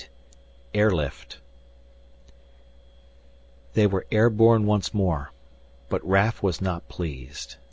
8 AIRLIFT They were air borne once more, but Raf was not pleased.